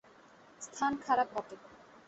স্থান খারাপ বটে।